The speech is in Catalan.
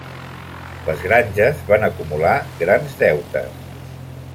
Les granges van acumular grans deutes.